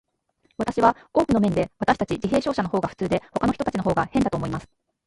私は、多くの面で、私たち自閉症者のほうが普通で、ほかの人たちのほうが変だと思います。